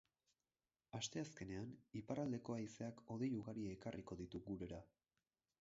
Asteazkenean iparraldeko haizeak hodei ugari ekarriko ditu gurera.